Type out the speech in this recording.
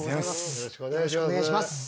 よろしくお願いします